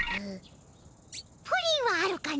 プリンはあるかの？